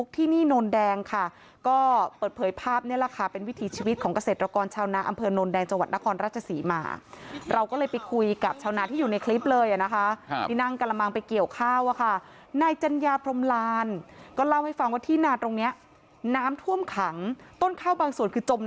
แต่ในนาข้าวคือน้ำท่วมอ่ะอืม